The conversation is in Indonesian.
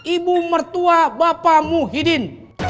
ibu mertua bapamu hidin